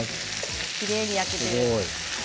きれいに焼けている。